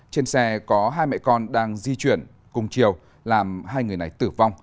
trên xe có hai mẹ con đang di chuyển cùng chiều làm hai người này tử vong